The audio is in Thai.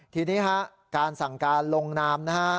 ทีนี้ฮะการสั่งการลงนามนะฮะ